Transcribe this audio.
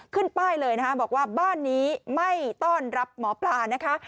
ขึ้นป้ายเลยนะคะบอกว่าบ้านนี้ไม่ต้อนรับหมอปลานะคะ